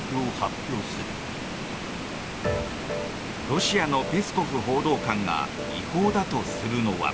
ロシアのペスコフ報道官が違法だとするのは。